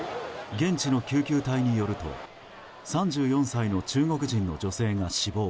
現地の救急隊によると３４歳の中国人の女性が死亡。